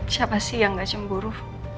siapa sih yang gak cemburu